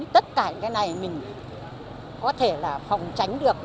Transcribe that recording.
tất cả những cái này mình có thể là phòng tránh được